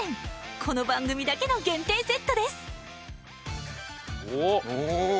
この番組だけの限定セットです